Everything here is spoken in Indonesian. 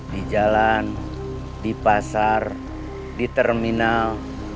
di jalan di pasar di terminal